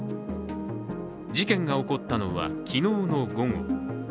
事件が起こったのは昨日の午後。